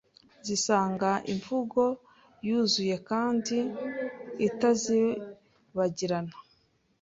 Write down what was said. zisanga imvugo yuzuye kandi itazibagirana